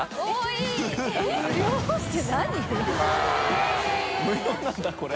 悗А繊無料なんだこれ。